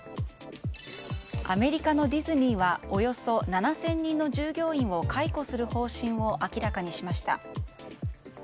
アメリカのディズニーはおよそ７０００人の従業員を解雇する方針を明らかにしました。